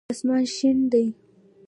آسمان شين دی.